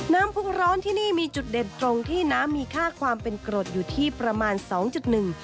น้ำผู้ร้อนที่นี่มีจุดเด่นตรงที่น้ำมีค่าความเป็นกรดอยู่ที่ประมาณ๒๑